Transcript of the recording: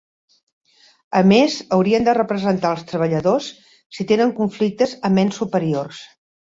A més haurien de representar als treballadors si tenen conflictes amb ens superiors.